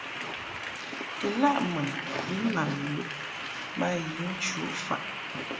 Ilaʼ mun lin ma ghə ma yi nchu faʼ.